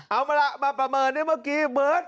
เอาล่ะมาประเมินได้เมื่อกี้เบิร์ต